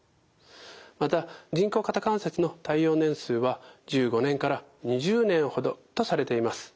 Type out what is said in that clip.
また人工肩関節の耐用年数は１５年から２０年ほどとされています。